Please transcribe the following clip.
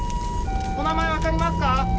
お名前分かりますか？